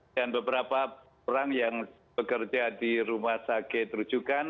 dan beberapa orang yang bekerja di rumah sakit rujukan